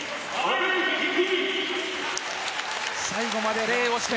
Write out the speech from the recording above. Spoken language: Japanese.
最後まで礼をして。